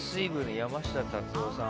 山下達郎さん。